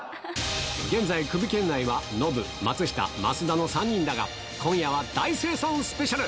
現在クビ圏内は、ノブ、松下、増田の３人だが、今夜は大精算スペシャル。